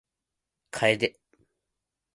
楓